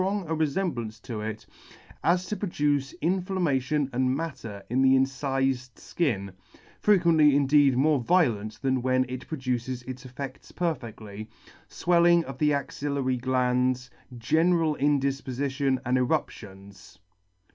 g a refemblance to it, as to produce inflammation and matter in the incifed fkin (frequently indeed more violent than when it produces its effects perfectly), fwelling of the axillary glands, general indifpofition, and eruptions.